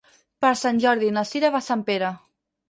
Per Sant Jordi na Sira va a Sempere.